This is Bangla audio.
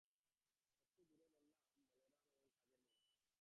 একটু দূরে বলরাম এবং কাজের মেয়েটা।